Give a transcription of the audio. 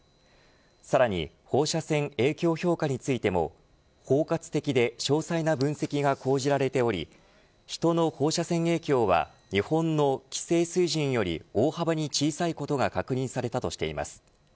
さらに放射線影響評価についても包括的で詳細な分析が構じられており人の放射線影響は日本の規制水準より大幅に小さいことが確認されたとしています。